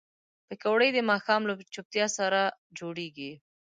پکورې د ماښام له چوپتیا سره جوړېږي